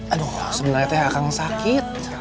aduh sebenarnya teh aku kangen sakit